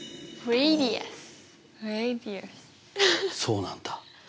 そうなんだ。